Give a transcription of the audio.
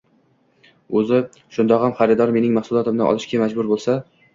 – “o‘zi shundog‘am xaridor mening maxsulotimni olishga majbur bo‘lsa